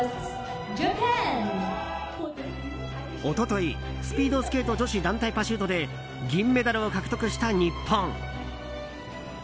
一昨日、スピードスケート女子団体パシュートで銀メダルを獲得した日本。